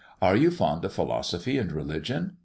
Are you fond of philosophy and religion?